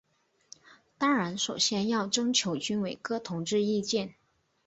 当然首先要征求军委各同志意见。